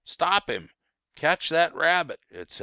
stop him! catch that rabbit," etc.